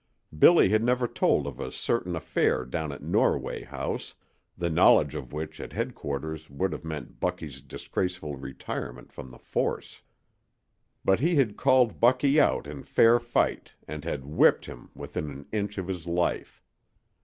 Billy had never told of a certain affair down at Norway House, the knowledge of which at headquarters would have meant Bucky's disgraceful retirement from the force. But he had called Bucky out in fair fight and had whipped him within an inch of his life.